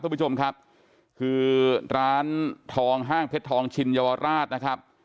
คุณผู้ชมครับคือร้านทองห้างเพชรทองชินเยาวราชนะครับ